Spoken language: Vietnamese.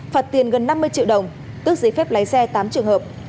phạt tiền gần năm mươi triệu đồng tước giấy phép lái xe tám trường hợp